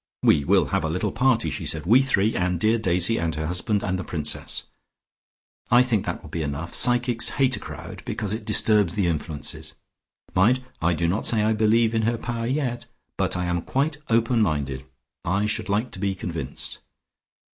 "We will have a little party," she said. "We three, and dear Daisy and her husband and the Princess. I think that will be enough; psychics hate a crowd, because it disturbs the influences. Mind! I do not say I believe in her power yet, but I am quite open minded; I should like to be convinced.